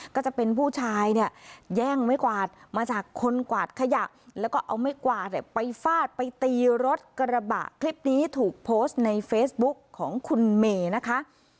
ก็จะเป็นผู้ชายเนี่ยแย่งไม้กวาดมาจากคนกวาดขยะแล้วก็เอาไม้กวาดเนี่ยไปฟาดไปตีรถกระบะคลิปนี้ถูกโพสต์ในเฟซบุ๊กของคุณเมย์นะคะ